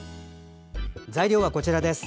材料はこちらです。